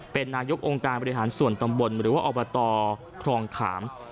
เป็นนายกองค์การบริหารส่วนตำบลหรือว่าอบตครองขาม